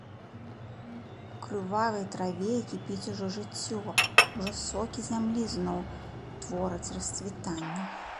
У крывавай траве кіпіць ужо жыццё, ужо сокі зямлі зноў твораць расцвітанне.